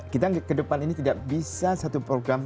kita ke depan ini tidak bisa satu program